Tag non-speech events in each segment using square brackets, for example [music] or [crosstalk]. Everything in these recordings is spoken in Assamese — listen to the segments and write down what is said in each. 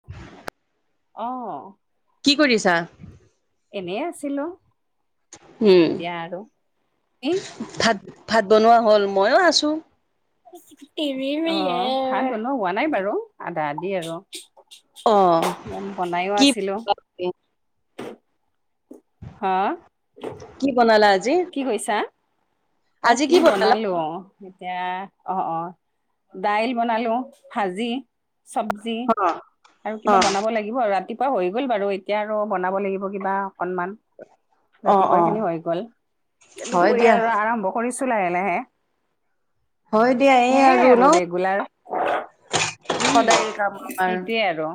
[inaudible] অ'। কি কৰিছা? এনে আছিলোঁ। উম, ভাত -ভাত বনোৱা হ'ল মইয়ো আছো। অ', ভাত বনোৱা হোৱা নাই বাৰু আধা আধি আৰু অ', বনাইও কি আছিলোঁ। হ। কি বনালা আজি? কি কৈছা, অ আজি কি বনালা? বনালো অ। এতিয়া অ', অ', দাইল বনালো ভাজি চবজ জি অ', আৰু কিবা অ', বনাব লাগিব আৰু ৰাতি খোৱা হৈ গ'ল বাৰু এতিয়া আৰু বনাব লাগিব কিবা অকনমান। অ', ৰাতিপুৱাৰ অ', খিনি হৈ গ'ল এ হয় দুপৰীয়াৰ দিয়া। আৰু আৰাম কৰিছোঁ লাহে -লাহে হয় দিয়া এই সেয়ে ন আৰু ৰেগুলাৰ। উম, সদায় কাম আমাৰ। সেইটোৱে আৰু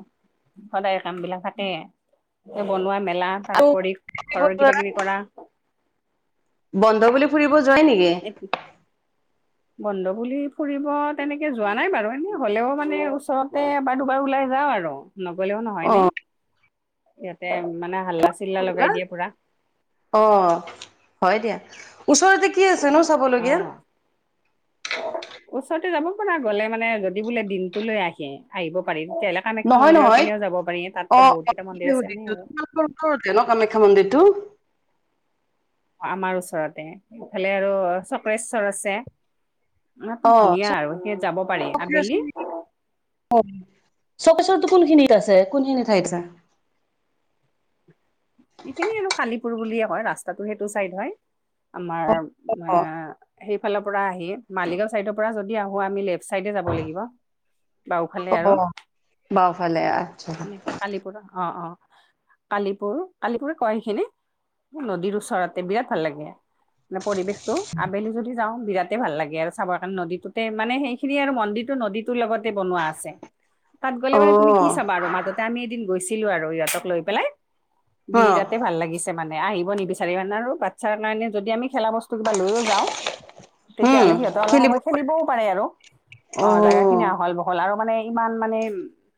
সদায় কাম বিলাক থাকে। এ বনোৱা মেলা আৰু তাৰওপৰি ঘৰৰ কিবা- কিবি কৰা। বন্ধ বুলি ফুৰিব যোৱাই নেকি? [unintelligible] বন্ধ বুলি ফুৰিব তেনেকে যোৱা নাই বাৰু এনে হ'লেও মানে ওচৰতে এবাৰ দুবাৰ ওলাই যাওঁ আৰু। নগলেওঁ নহয় নে অ', ইহঁতে মানে হাল্লা -চিল্লা লগাই দিয়ে পুৰা। অ', হয় দিয়া ওচৰতে কি আছেনো অ চাবলগীয়া? [inaudible] ওচৰতে যাব পৰা গ'লে মানে যদি বোলে দিনটো লৈ আহে আহিব পাৰি তেতিয়াহ'লে! কামাখ্যা নহয় মন্দিৰৰ নহয় পিনেও যাব পাৰি তাততো অ', বহুত অ', কেইটা মন্দিৰ আছে এনে সুধিছো আৰু! [unintelligible] ন কামাখ্যা মন্দিৰটো! আমাৰ ওচৰতে ইফালে আৰু চক্ৰেশ্বৰ আছে। ইয়াতটো অ', ধুনীয়া আৰু হেত যাব পাৰি আবেলি। অ চক্ৰেশ্বৰতো কোনখিনিত আছে, কোনখিনি ঠাইত আছে? এইখিনি আৰু কালিপুৰ বুলিয়ে কয় ৰাস্তাটো সেইটো চাইদ হয় আমাৰ এ! অ', সেইফালৰ পৰা আহি মালিগাঁও চাইডৰ পৰা যদি আহোঁ আমি লেফ! চাইডে যাব লাগিব বাওঁফালে আৰু! অ', বাওঁফালে আচ্ছা কালিপুৰ অ', অ', কালিপুৰ! কালি পুৰ কৈ সেইখিনি নদীৰ ওচৰতে, বিৰাট ভাল লাগে মানে পৰিৱেশ! টো, আবেলি যদি যাও বিৰাট! তে ভাল লাগে আৰু চাবৰ কাৰণে, নদীটোতে মানে সেইখিনি আৰু মন্দিৰটো নদীটোৰ লগতে বনোৱা আছে। তাত গ'লে মানে তুমি কি অ', চাবা আৰু মাজতে আমি এদিন গৈছিলো আৰু সিহঁতক লৈ পেলায়। অ', বিৰাতে ভাল লাগিছে। মানে, আহিব নিবিচাৰে মানে আৰু বাচ্ছাৰ কাৰনে যদি আমি খেলা বস্তু কিবা লৈও যাও! উম, তেতিয়াহ'লে সিহঁত অলপ খেলিব সময় খেলিবও পাৰে আৰু অ, জেগা খিনি আহল বহ! বহল আৰু মানে ইমান মানে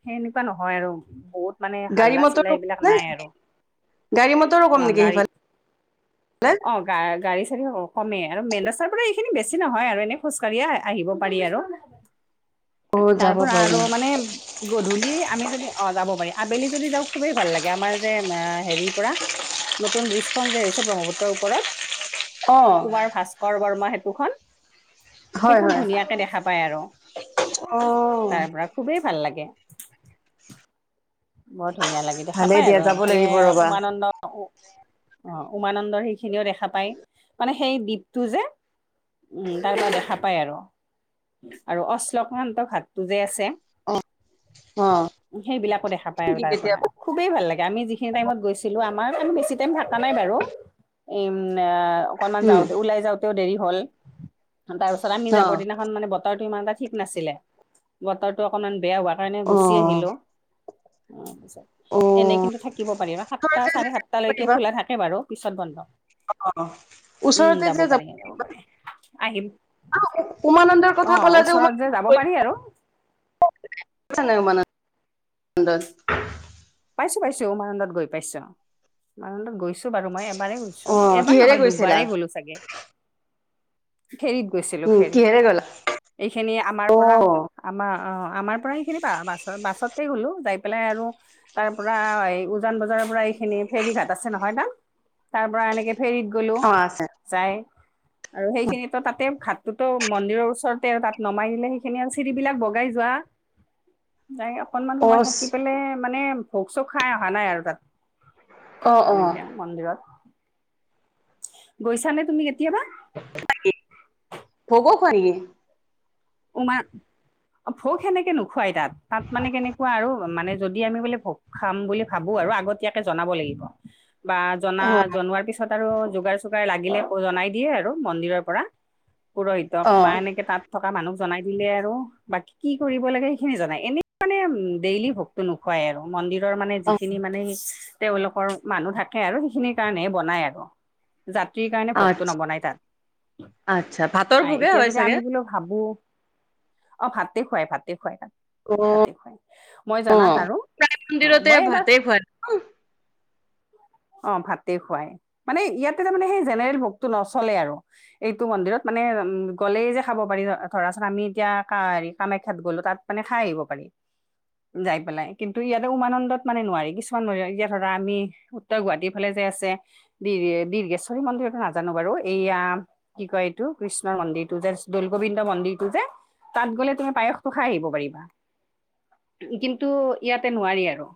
সেনেকুৱা নহয় আৰু বহুত! মানে গাড়ী হাল্লা, চিল্লা মটৰো এইবিলাক নে নাই আৰু। গাড়ী মত! অ গাড়ী অ! গা গাড়ী চাড়ী কমে আৰু মেনৰাস্তাৰ পৰা এইখিনি বেছি নহয় আৰু এনেই খোজকাঢ়িয়ে আহিব পাৰি আৰু। [inaudible] তাৰ যাব পৰা আৰু পাৰি মানে! গধূলি আমি যদি, অ যাব পাৰি, আবেলি যদি যাওঁ খুবেই ভাল লাগে আমাৰ যে আ! হেৰিৰ পৰা নতুন ব্ৰীজখন যে হৈছে ব্ৰহ্মপুত্ৰৰ ওপৰত অ', কুমাৰ ভাচ! কৰ বৰ্ম সেতুখন হয়, সেইখন হয় ধুনীয়াকে দেখা পায় আৰু। অ', তাৰ পৰা খুবেই ভাল লাগে। বৰ ধুনীয়া লাগে, দেখা ভালেই পাই দিয়া আৰু যাব ইফালে লাগিব ৰ'বা উমানন্দ। অ উমানন্দ সেইখিনিও দেখা পায়, মানে সেই দ্বীপটো যে! উম তাৰ পৰা দেখা পাই আৰু, আৰু অশ্লকান্ত ঘাটটো যে আছে! অ', সেইবিলাকো দেখা পায় আৰু তাৰ পৰা। কেতিয়াবা খুবেই ভাল লাগে, আমি যিখিনি টাইমত গৈছিলো আমাৰ আমি বেছি টাইম থাকা নাই বাৰু। এ উম আ অকনমান উম, যাওঁতে ওলাই যাওঁতেও দেৰি হ'ল, তাৰ পিছত আমি যাবৰ অ', দিনা! খন মানে বতৰটো ইমান এটা ঠিক নাছিলে, বতৰটো অকনমান বেয়া হোৱা কাৰণে গুচি অ', আহিলো। অ পিছত, এনে অ', কিন্তু থাকিব পাৰিবা, সাতটা, ওচৰতে যে চাৰে যাব সাতটা লৈকে পাৰিবা খোলা থাকে বাৰু পিছত বন্ধ! অ উম ওচৰতে যাব যে পাৰি যাব পাৰিবা পাৰি, আহিম! উমানন্দৰ অ কথা কলা যে? ওচৰত যাব উমানন্দত গৈ! পাৰি আৰু [unintelligible] পাইছো পাইছো উমানন্দত গৈ পাইছো, উমানন্দত গৈছো। বাৰু মই এবাৰেই গৈছো অ এবাৰ কিহেৰে নহয় গৈছিলা দুবাৰেই গ'লো চাগে? ফেৰীত গৈছিলো উম ফেৰীত কিহেৰে গলা এইখিনি আমাৰ অ পৰা! আমা অ আমাৰ পৰাই এইখিনি বা বা বাছতে গ'লো, যাই পেলাই আৰু! তাৰ পৰা এই উজান বজাৰৰ পৰা এইখিনি ফেৰী ঘাট আছে নহয় না? তাৰ পৰা এনেকে ফেৰীত গলো অ আছে যাই। আৰু সেইখিনিতো তাতে ভাত ততো মন্দিৰৰ ওচৰতে আৰু তাত নমাই দিলে সেইখিনি আৰু চিৰিবিলাক বগাই যোৱা। যাই অকনমান অ সময় থাকি পেলে মানে ভোগ চোক খাই অহা নাই আৰু তাত। অ অ এনেকে মন্দিৰত। গৈছা নে তুমি কেতিয়াবা? ভোগো খোৱাই নেকি? উমা অ ভোক সেনেকে নোখুৱাই তাত। তাত মানে কেনেকুৱা আৰু মানে যদি আমি বোলে ভোগ খাম বুলি ভাবো আৰু আগতীয়াকে জনাব লাগিব বা জনা অ জনোৱাৰ পিছত আৰু যোগাৰ চোগাৰ লাগিলে জনাই দিয়ে আৰু মন্দিৰৰ পৰা। পুৰোহিতক অ বা এনেকে তাত তা মানুক জনাই দিলে আৰু বাকি কি কৰিব লাগে সেইখিনি জানাই? এনে মানে ডেইলি ভোগতো নু খুৱাই আৰু। মন্দিৰৰ মানে যিখিনি মানে তেওঁলোকৰ মানুহ থাকে আৰু সেইখিনিৰ কাৰণে বনাই আৰু। জাতিৰ কাৰণে ভোকটো আচ্ছা নবনাই তাত। আচ্ছা ভাতৰ ভোগে এতিয়া হয় যদি চাগে আমি বোলো ভাবো? অ ভাতে খুৱাই ভাতে খুৱাই তাত। অ ভাটি খুৱাই মই অ জনাত আৰু প্ৰায় অ মন্দিৰতে মই এবাৰ ভাতেই খোৱা [unintelligible] অ ভাতে খুৱাই মানে ইয়াতে তাৰমানে সেই জেনেৰেল ভোগটো নচলে আৰু। এইটো মন্দিৰত মানে উম গ'লেই যে খাব পাৰি ধৰাচোন আমি এতিয়া হেৰি কামাখ্যাত গ'লো তাত মানে খাই আহিব পাৰি। যাই পেলাই কিন্তু ইয়াতে উমানন্দত মানে নোৱাৰি কিছুমান ম ইতি ধৰা আমি তই গুৱাহাটীৰ ফালে যে আছে। দ দীৰ্গেশ্বৰী মন্দিৰটো নাজানো বাৰু এইয়া কি কয় এইটো কৃষ্ণৰ মন্দিৰটো যে। দৌলগোবিন্দ মন্দিৰটো যে তাত গ'লে তুমি পায়স তো খাই আহিব পাৰিবা। কিন্তু ইয়াতে নোৱাৰি আৰু।